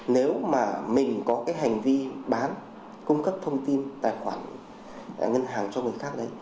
nếu mà mình có cái hành vi bán cung cấp thông tin tài khoản ngân hàng cho người khác đấy